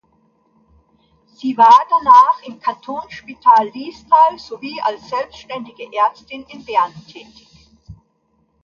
Sie war danach im Kantonsspital Liestal sowie als selbstständige Ärztin in Bern tätig.